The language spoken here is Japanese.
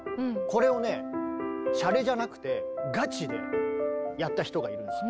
これをねしゃれじゃなくてガチでやった人がいるんです。